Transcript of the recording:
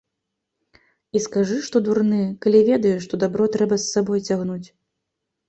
І скажы, што дурны, калі ведае, што дабро трэба з сабою цягнуць.